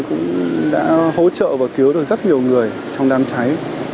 cũng đã hỗ trợ và cứu được rất nhiều người trong đám cháy